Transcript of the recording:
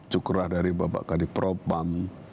cukrah dari bapak kadipropam